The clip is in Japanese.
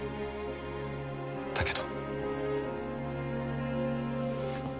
だけど。